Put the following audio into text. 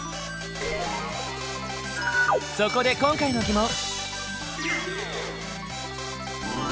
そこで今回の疑問！